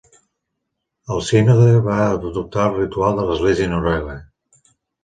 El Sínode va adoptar el ritual de l'Església de Noruega.